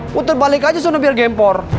putar balik aja sana biar gempor